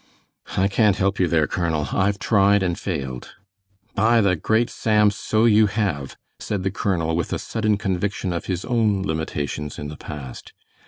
"I can't help you there, Colonel. I've tried and failed." "By the great Sam, so you have!" said the colonel, with a sudden conviction of his own limitations in the past.